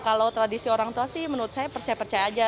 kalau tradisi orang tua sih menurut saya percaya percaya aja